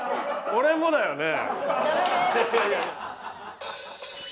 俺もだよね？